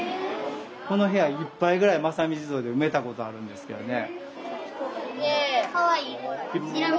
この部屋いっぱいぐらい「正己地蔵」で埋めたことあるんですけどね。